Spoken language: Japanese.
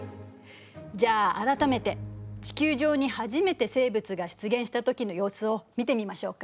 じゃあ改めて地球上に初めて生物が出現した時の様子を見てみましょうか。